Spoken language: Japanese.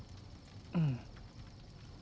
うん。